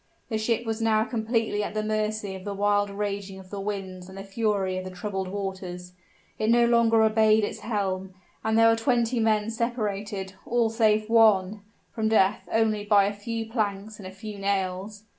The ship was now completely at the mercy of the wild raging of the winds and the fury of the troubled waters; it no longer obeyed its helm, and there were twenty men separated, all save one, from death only by a few planks and a few nails!